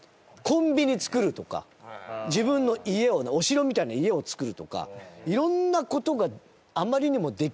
コンビニ作るとか自分の家をお城みたいな家を作るとかいろんな事があまりにもできすぎちゃって。